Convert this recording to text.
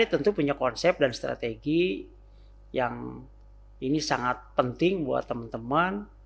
tentu punya konsep dan strategi yang ini sangat penting buat teman teman